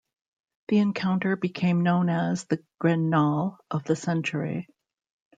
The encounter became known as the Gre-Nal of the Century.